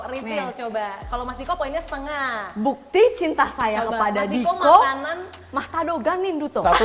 refill coba kalau masih kok poinnya setengah bukti cinta saya kepada diko makanan mahtado ganinduto